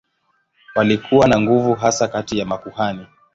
Walikuwa na nguvu hasa kati ya makuhani.